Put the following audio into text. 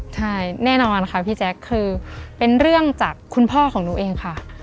ใช่แน่นอนค่ะพี่แจ๊คคือเป็นเรื่องจากคุณพ่อของหนูเองค่ะ